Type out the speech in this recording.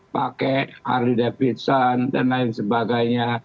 pakai harley davidson dan lain sebagainya